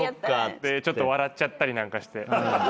でちょっと笑っちゃったりなんかして。